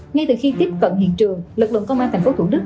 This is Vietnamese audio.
ngay từ khi tiếp cận hiện trường lực lượng công an tp thủ đức